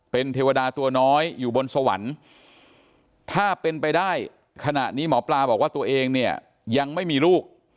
เป็นเทวดาตัวน้อยอยู่บนสวรรค์ถ้าเป็นไปได้ขณะนี้หมอปลาบอกว่าตัวเองเนี่ยยังไม่มีลูก